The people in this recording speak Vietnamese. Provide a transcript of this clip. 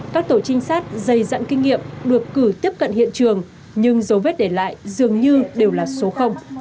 các tổ trinh sát dày dặn kinh nghiệm được cử tiếp cận hiện trường nhưng dấu vết để lại dường như đều là số